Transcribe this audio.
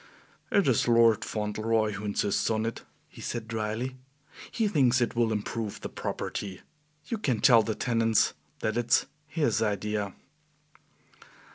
"It is Lord Fauntleroy who insists on it," he said dryly; "he thinks it will improve the property. You can tell the tenants that it's his idea."